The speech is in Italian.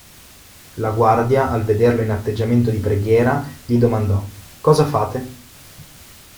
La guardia al vederlo in atteggiamento di preghiera gli domandò: "Cosa fate?".